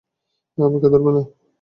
আমাকে ধরবে না!